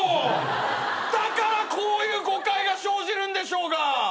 だからこういう誤解が生じるんでしょうが。